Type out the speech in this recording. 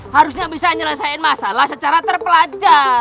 harusnya bisa menyelesaikan masalah secara terpelajar